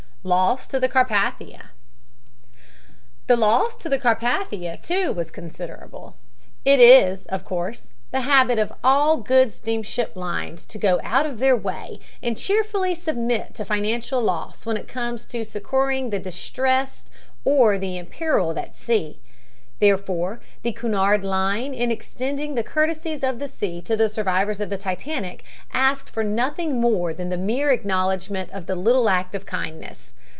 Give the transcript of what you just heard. LOSS TO THE CARPATHIA The loss to the Carpathia, too, was considerable. It is, of course, the habit of all good steamship lines to go out of their way and cheerfully submit to financial loss when it comes to succoring the distressed or the imperiled at sea. Therefore, the Cunard line in extending the courtesies of the sea to the survivors of the Titanic asked for nothing more than the mere acknowledgment of the little act of kindness.